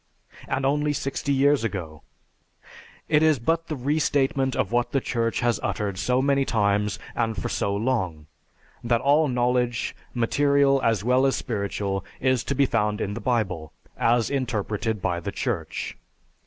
And only sixty years ago! It is but the restatement of what the Church has uttered so many times and for so long that all knowledge, material as well as spiritual, is to be found in the Bible as interpreted by the Church.